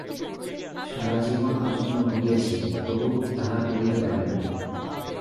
সারাজীবন এজন্য ভুগিয়াছি, তবু তাহা করিতে পারি না।